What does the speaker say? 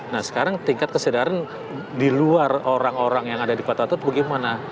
nah sekarang tingkat kesadaran di luar orang orang yang ada di kota itu bagaimana